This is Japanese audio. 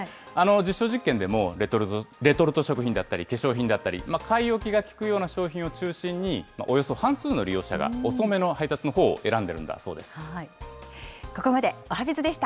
実証実験でも、レトルト食品だったり、化粧品だったり、買い置きが利くような商品を中心に、およそ半数の利用者が遅めの配達のほうを選んでるんだそうです。